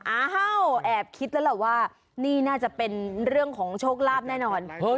อ้าวแอบคิดแล้วล่ะว่านี่น่าจะเป็นเรื่องของโชคลาภแน่นอน